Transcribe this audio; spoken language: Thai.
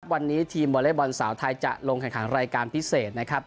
วันนี้ทีมวอเล็กบอลสาวไทยจะลงแข่งขันรายการพิเศษนะครับ